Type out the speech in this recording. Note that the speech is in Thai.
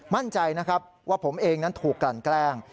มั่นใจนะครับว่าผมเองนั้นถูกกลั่นแกล้ง